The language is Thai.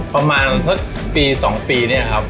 ประมาณ๑๒ปีเนี่ยครับ